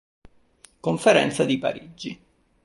Conferenza di Parigi